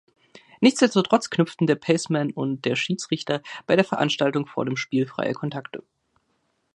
Nichtsdestotrotz knüpften der Paceman und der Schiedsrichter bei der Veranstaltung vor dem Spiel freie Kontakte.